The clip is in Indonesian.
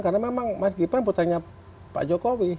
karena memang mas gibran putranya pak jokowi